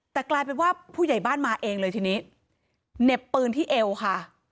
แต่กลายเป็นว่าผู้ใหญ่บ้านมาเองเลยทีนี้เหน็บปืนที่เอวค่ะ